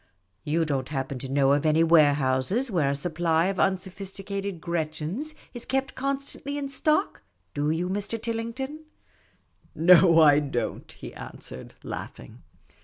You don't happen to know of any warehouse where a supply of unsophisticated Gretchens is kept constantly in stock, do you, Mr. Tillington ?"" No, I don't," he answered, laughing.